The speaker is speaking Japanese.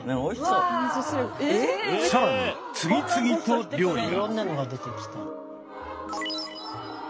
更に次々と料理が。